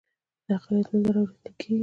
د اقلیت نظر اوریدل کیږي؟